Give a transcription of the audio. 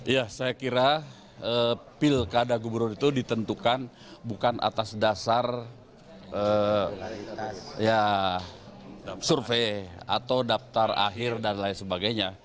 ya saya kira pilkada gubernur itu ditentukan bukan atas dasar survei atau daftar akhir dan lain sebagainya